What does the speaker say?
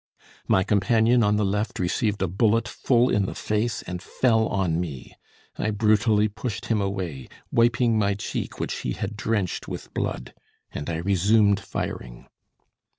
My companion on the left received a bullet full in the face and fell on me; I brutally pushed him away, wiping my cheek which he had drenched with blood. And I resumed firing.